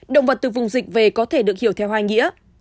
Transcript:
động vật từ vùng dịch về có thể được hiểu theo hai nghĩa